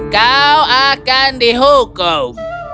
kau akan dihukum